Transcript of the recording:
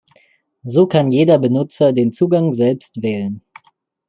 So kann jeder Benutzer den Zugang selbst wählen.